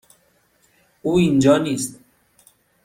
او اینجا نیست.